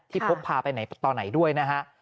ที่พบพาไปต่อไหนด้วยนะฮะ